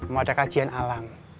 mau ada kajian alam